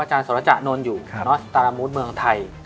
อาจารย์สหรัสจนต๋าร้อนอยู่นอกตาลมุทรเมืองไทย